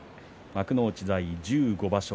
幕内在位１５場所